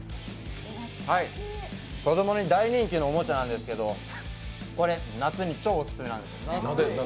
子供に大人気のおもちゃなんですけどこれ、夏に超オススメなんです。